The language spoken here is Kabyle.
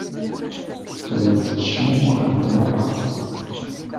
Llant tecmumuḥent merra.